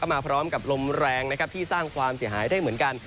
มาพร้อมกับลมแรงนะครับที่สร้างความเสียหายได้เหมือนกัน